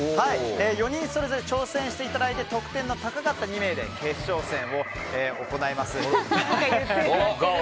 ４人それぞれ挑戦していただいて得点の高かった２名で決勝戦を行います。